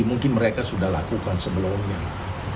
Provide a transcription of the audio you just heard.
mungkin mereka sudah lakukan sebelumnya